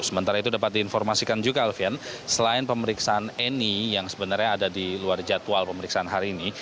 sementara itu dapat diinformasikan juga alfian selain pemeriksaan eni yang sebenarnya ada di luar jadwal pemeriksaan hari ini